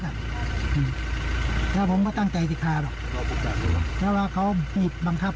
แล้วผมก็ตั้งใจดีการถ้าว่าเขาอุดบังคับ